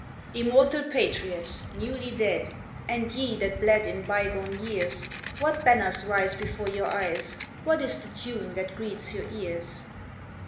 Immortal patriots newly dead And ye that bled in bygone years, What banners rise before your eyes? What is the tune that greets your ears?